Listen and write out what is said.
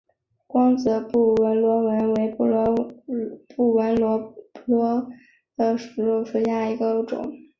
光泽布纹螺为布纹螺科布纹螺属下的一个种。